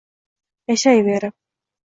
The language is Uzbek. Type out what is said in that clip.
Yashayverib